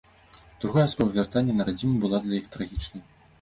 Другая спроба вяртання на радзіму была для іх трагічнай.